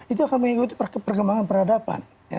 itu akan mengikuti perkembangan peradaban